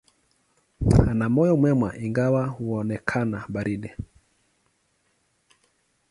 Ana moyo mwema, ingawa unaonekana baridi.